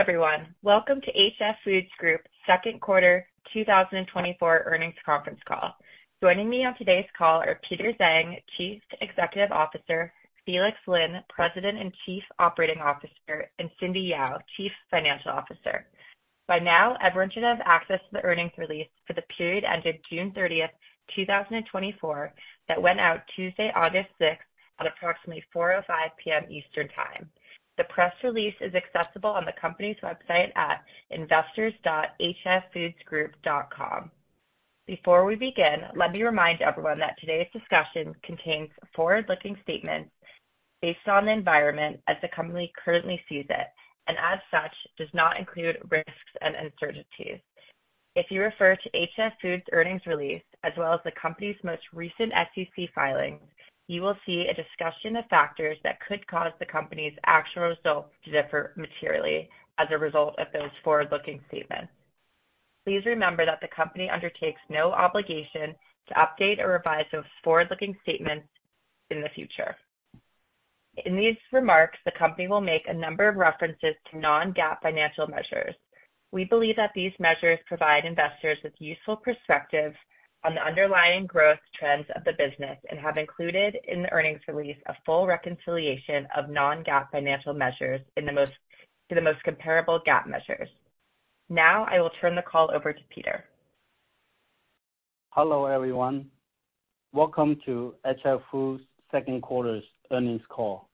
Hello, everyone. Welcome to HF Foods Group second quarter 2024 earnings conference call. Joining me on today's call are Peter Zhang, Chief Executive Officer, Felix Lin, President and Chief Operating Officer, and Cindy Yao, Chief Financial Officer. By now, everyone should have access to the earnings release for the period ended June 30, 2024, that went out Tuesday, August 6, at approximately 4:05 P.M. Eastern Time. The press release is accessible on the company's website at investors.hffoodsgroup.com. Before we begin, let me remind everyone that today's discussion contains forward-looking statements based on the environment as the company currently sees it, and as such, does not include risks and uncertainties. If you refer to HF Foods earnings release, as well as the company's most recent SEC filings, you will see a discussion of factors that could cause the company's actual results to differ materially as a result of those forward-looking statements. Please remember that the company undertakes no obligation to update or revise those forward-looking statements in the future. In these remarks, the company will make a number of references to non-GAAP financial measures. We believe that these measures provide investors with useful perspective on the underlying growth trends of the business and have included in the earnings release a full reconciliation of non-GAAP financial measures to the most comparable GAAP measures. Now, I will turn the call over to Peter. Hello, everyone. Welcome to HF Foods' second quarter earnings call.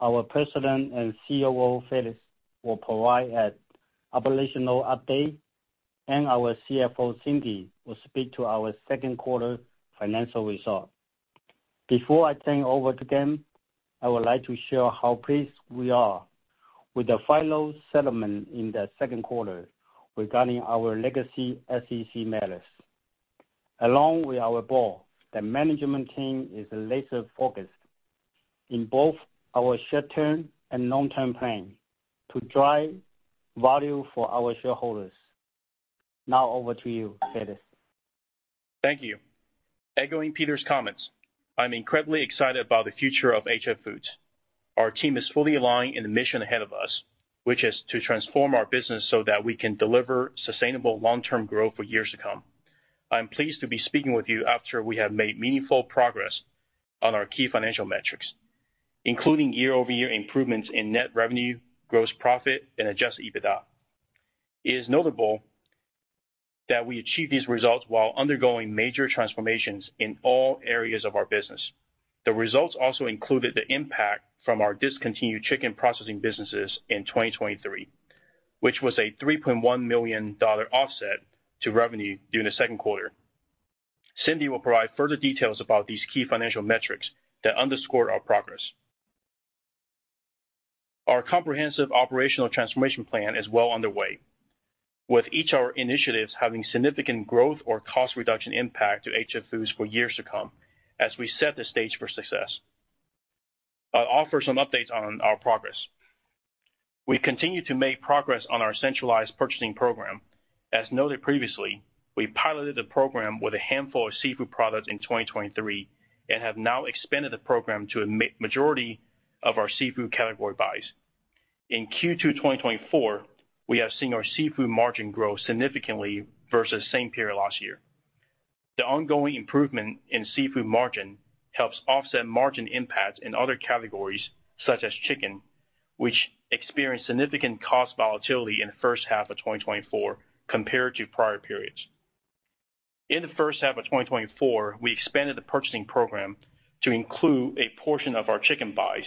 Our President and COO, Felix, will provide an operational update, and our CFO, Cindy, will speak to our second quarter financial results. Before I turn over to them, I would like to share how pleased we are with the final settlement in the second quarter regarding our legacy SEC matters. Along with our board, the management team is laser-focused in both our short-term and long-term plan to drive value for our shareholders. Now over to you, Felix. Thank you. Echoing Peter's comments, I'm incredibly excited about the future of HF Foods. Our team is fully aligned in the mission ahead of us, which is to transform our business so that we can deliver sustainable long-term growth for years to come. I'm pleased to be speaking with you after we have made meaningful progress on our key financial metrics, including year-over-year improvements in net revenue, gross profit and adjusted EBITDA. It is notable that we achieved these results while undergoing major transformations in all areas of our business. The results also included the impact from our discontinued chicken processing businesses in 2023, which was a $3.1 million offset to revenue during the second quarter. Cindy will provide further details about these key financial metrics that underscore our progress. Our comprehensive operational transformation plan is well underway, with each of our initiatives having significant growth or cost reduction impact to HF Foods for years to come as we set the stage for success. I'll offer some updates on our progress. We continue to make progress on our centralized purchasing program. As noted previously, we piloted the program with a handful of seafood products in 2023 and have now expanded the program to a majority of our seafood category buys. In Q2 2024, we have seen our seafood margin grow significantly versus same period last year. The ongoing improvement in seafood margin helps offset margin impacts in other categories, such as chicken, which experienced significant cost volatility in the first half of 2024 compared to prior periods. In the first half of 2024, we expanded the purchasing program to include a portion of our chicken buys.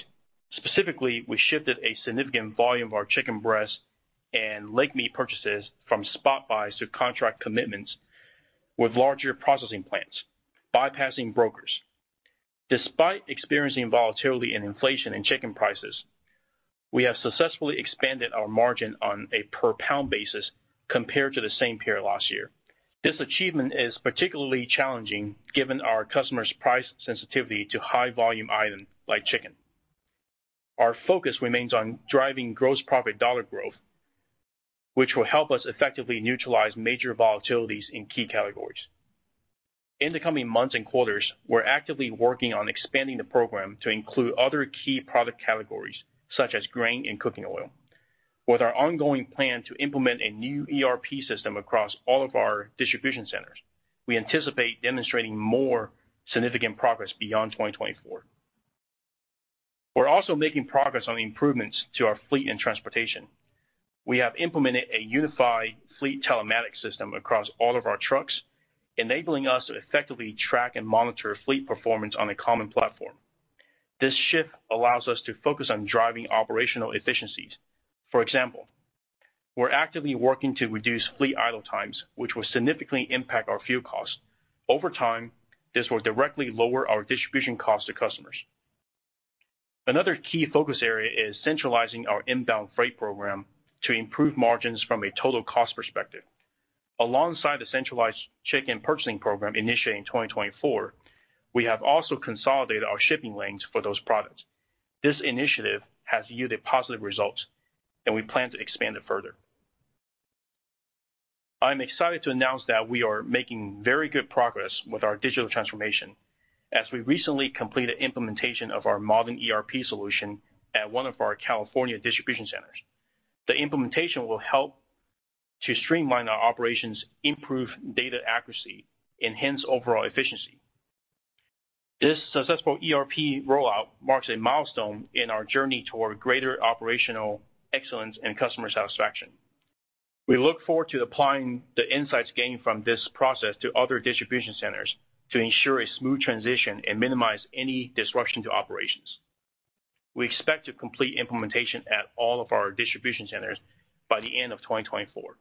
Specifically, we shifted a significant volume of our chicken breast and leg meat purchases from spot buys to contract commitments with larger processing plants, bypassing brokers. Despite experiencing volatility and inflation in chicken prices, we have successfully expanded our margin on a per pound basis compared to the same period last year. This achievement is particularly challenging, given our customers' price sensitivity to high-volume items like chicken. Our focus remains on driving gross profit dollar growth, which will help us effectively neutralize major volatilities in key categories. In the coming months and quarters, we're actively working on expanding the program to include other key product categories, such as grain and cooking oil. With our ongoing plan to implement a new ERP system across all of our distribution centers, we anticipate demonstrating more significant progress beyond 2024. We're also making progress on the improvements to our fleet and transportation. We have implemented a unified fleet telematics system across all of our trucks, enabling us to effectively track and monitor fleet performance on a common platform. This shift allows us to focus on driving operational efficiencies. For example, we're actively working to reduce fleet idle times, which will significantly impact our fuel costs. Over time, this will directly lower our distribution costs to customers. Another key focus area is centralizing our inbound freight program to improve margins from a total cost perspective. Alongside the centralized chicken purchasing program initiated in 2024, we have also consolidated our shipping lanes for those products. This initiative has yielded positive results, and we plan to expand it further. I'm excited to announce that we are making very good progress with our digital transformation, as we recently completed implementation of our modern ERP solution at one of our California distribution centers. The implementation will help to streamline our operations, improve data accuracy, enhance overall efficiency. This successful ERP rollout marks a milestone in our journey toward greater operational excellence and customer satisfaction. We look forward to applying the insights gained from this process to other distribution centers to ensure a smooth transition and minimize any disruption to operations. We expect to complete implementation at all of our distribution centers by the end of 2024.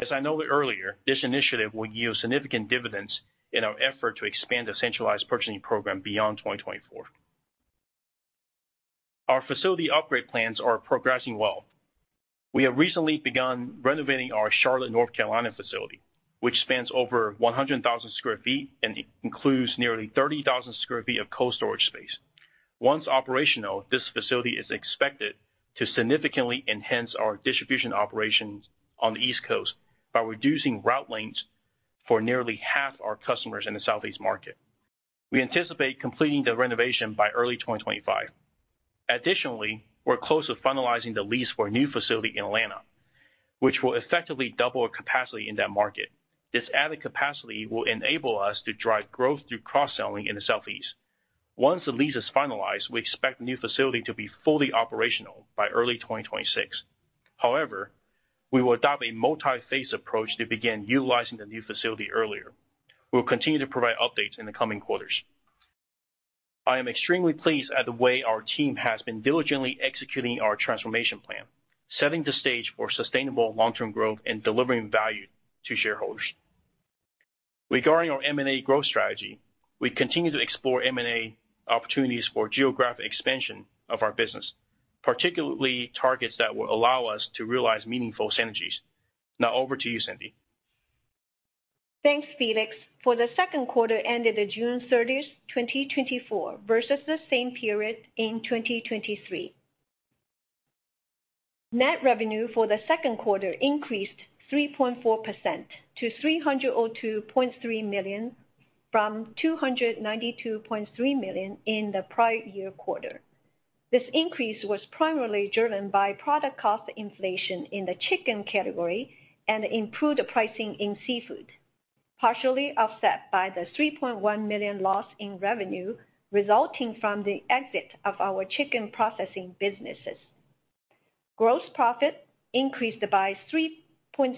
As I noted earlier, this initiative will yield significant dividends in our effort to expand the centralized purchasing program beyond 2024. Our facility upgrade plans are progressing well. We have recently begun renovating our Charlotte, North Carolina, facility, which spans over 100,000 sq ft and includes nearly 30,000 sq ft of cold storage space. Once operational, this facility is expected to significantly enhance our distribution operations on the East Coast by reducing route lengths for nearly half our customers in the Southeast market. We anticipate completing the renovation by early 2025. Additionally, we're close to finalizing the lease for a new facility in Atlanta, which will effectively double our capacity in that market. This added capacity will enable us to drive growth through cross-selling in the Southeast. Once the lease is finalized, we expect the new facility to be fully operational by early 2026. However, we will adopt a multi-phase approach to begin utilizing the new facility earlier. We'll continue to provide updates in the coming quarters. I am extremely pleased at the way our team has been diligently executing our transformation plan, setting the stage for sustainable long-term growth and delivering value to shareholders. Regarding our M&A growth strategy, we continue to explore M&A opportunities for geographic expansion of our business, particularly targets that will allow us to realize meaningful synergies. Now over to you, Cindy. Thanks, Felix. For the second quarter, ended June 30, 2024, versus the same period in 2023, net revenue for the second quarter increased 3.4% to $302.3 million, from $292.3 million in the prior-year quarter. This increase was primarily driven by product cost inflation in the chicken category and improved pricing in seafood, partially offset by the $3.1 million loss in revenue, resulting from the exit of our chicken processing businesses. Gross profit increased by 3.6%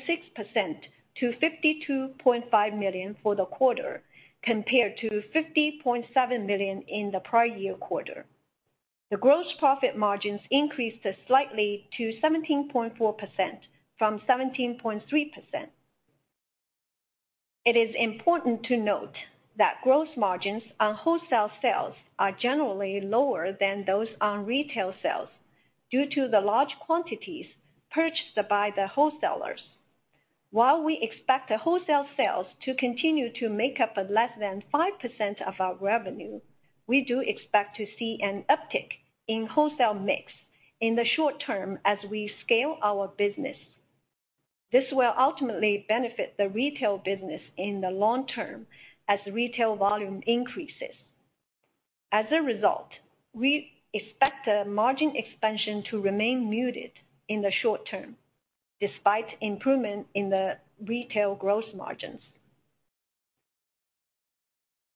to $52.5 million for the quarter, compared to $50.7 million in the prior-year quarter. The gross profit margins increased slightly to 17.4% from 17.3%. It is important to note that gross margins on wholesale sales are generally lower than those on retail sales due to the large quantities purchased by the wholesalers. While we expect the wholesale sales to continue to make up less than 5% of our revenue, we do expect to see an uptick in wholesale mix in the short term as we scale our business. This will ultimately benefit the retail business in the long term as retail volume increases. As a result, we expect the margin expansion to remain muted in the short term, despite improvement in the retail gross margins.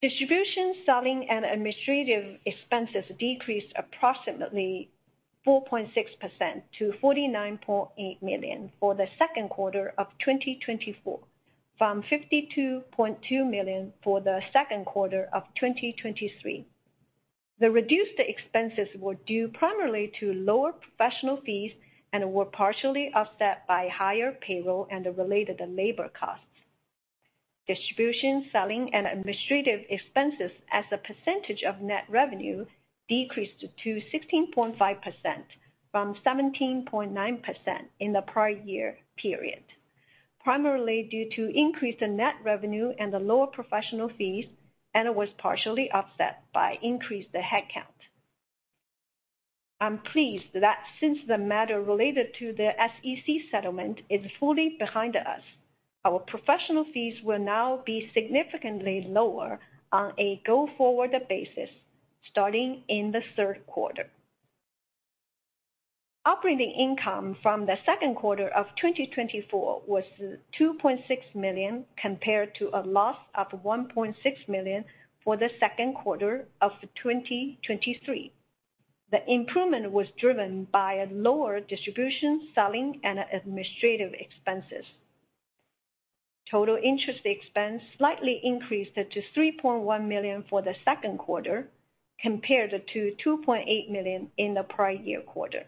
Distribution, selling, and administrative expenses decreased approximately 4.6% to $49.8 million for the second quarter of 2024, from $52.2 million for the second quarter of 2023. The reduced expenses were due primarily to lower professional fees and were partially offset by higher payroll and the related labor costs. Distribution, selling, and administrative expenses as a percentage of net revenue decreased to 16.5% from 17.9% in the prior year period, primarily due to increased net revenue and the lower professional fees, and it was partially offset by increased headcount. I'm pleased that since the matter related to the SEC settlement is fully behind us, our professional fees will now be significantly lower on a go-forward basis starting in the third quarter. Operating income from the second quarter of 2024 was $2.6 million, compared to a loss of $1.6 million for the second quarter of 2023. The improvement was driven by a lower distribution, selling, and administrative expenses. Total interest expense slightly increased to $3.1 million for the second quarter, compared to $2.8 million in the prior year quarter.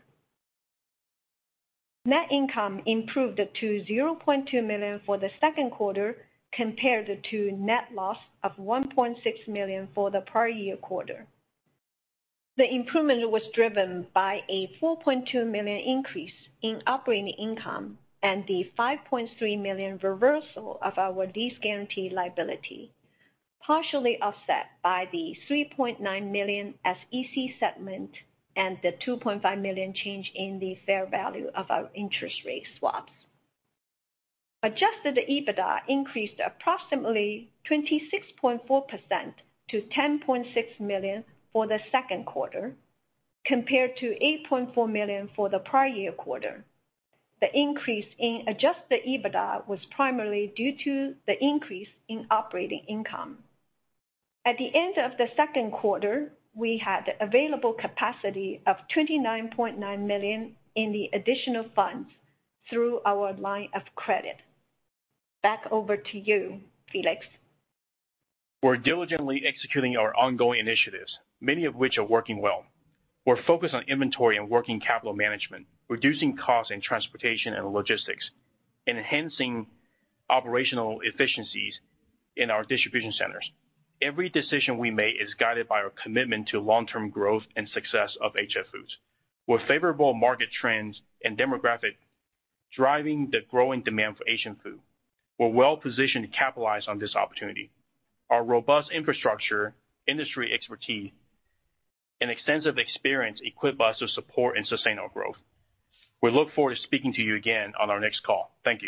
Net income improved to $0.2 million for the second quarter, compared to net loss of $1.6 million for the prior year quarter. The improvement was driven by a $4.2 million increase in operating income and the $5.3 million reversal of our lease guarantee liability, partially offset by the $3.9 million SEC settlement and the $2.5 million change in the fair value of our interest rate swaps. Adjusted EBITDA increased approximately 26.4% to $10.6 million for the second quarter, compared to $8.4 million for the prior year quarter. The increase in adjusted EBITDA was primarily due to the increase in operating income. At the end of the second quarter, we had available capacity of $29.9 million in the additional funds through our line of credit. Back over to you, Felix. We're diligently executing our ongoing initiatives, many of which are working well. We're focused on inventory and working capital management, reducing costs in transportation and logistics, enhancing operational efficiencies in our distribution centers. Every decision we make is guided by our commitment to long-term growth and success of HF Foods. With favorable market trends and demographics driving the growing demand for Asian food, we're well positioned to capitalize on this opportunity. Our robust infrastructure, industry expertise, and extensive experience equip us to support and sustain our growth. We look forward to speaking to you again on our next call. Thank you.